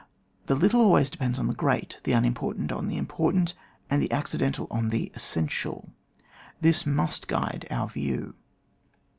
The little always depends on the great, the unimportant on the important, and the accidental on the essential. This must g^de our view.